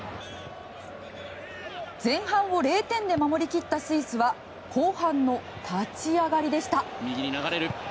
前半を０点で守り切ったスイスは後半の立ち上がりでした。